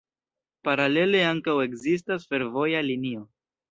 Paralele ankaŭ ekzistas fervoja linio.